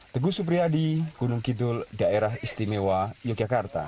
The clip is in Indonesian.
teguh supriyadi gunung kidul daerah istimewa yogyakarta